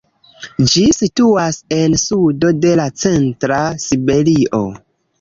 Ĝi situas en sudo de la centra Siberio.